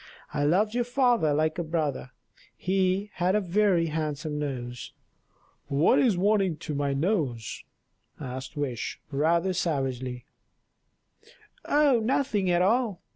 I loved your father like a brother; he had a very handsome nose." "What is wanting to my nose?" asked Wish, rather savagely. "Oh! nothing at all.